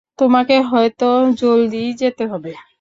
তোমাকে হয়তো জলদিই যেতে হবে।